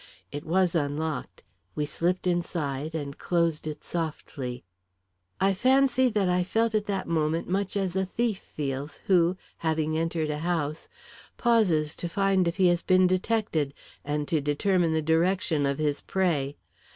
It was unlocked; we slipped inside and closed it softly. I fancy that I felt at that moment much as a thief feels who, having entered a house, pauses to find if he has been detected, and to determine the direction of his prey.